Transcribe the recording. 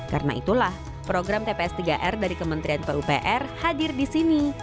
karena itulah program tps tiga r dari kementrian pupr hadir di sini